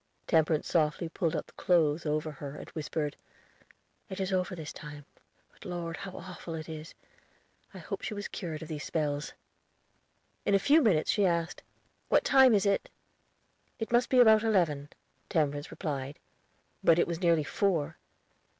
Temperance softly pulled up the clothes over her and whispered: "It is over for this time; but Lord, how awful it is! I hoped she was cured of these spells." In a few minutes she asked, "What time is it?" "It must be about eleven," Temperance replied; but it was nearly four.